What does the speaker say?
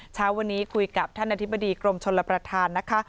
เช้าวันนี้คุยกับท่านอธิบดีกรมชลประธานนะคะ